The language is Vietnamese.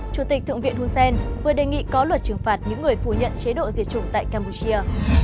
chủ tịch thượng viện hussein vừa đề nghị có luật trừng phạt những người phủ nhận chế độ diệt chủng tại campuchia